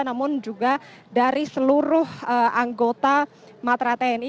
namun juga dari seluruh anggota matra tni